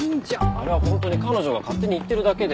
あれはほんとに彼女が勝手に言ってるだけで。